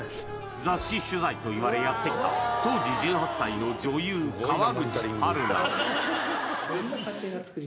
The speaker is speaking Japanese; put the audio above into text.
雑誌取材と言われやってきた当時１８歳の女優川口春奈